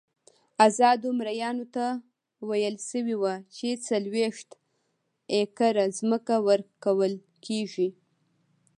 ازادو مریانو ته ویل شوي وو چې څلوېښت ایکره ځمکه ورکول کېږي.